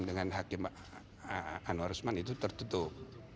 dengan hakim anwar usman itu tertutup